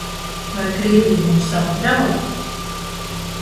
Vai Krievija mūs apdraud?